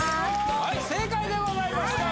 はい正解でございました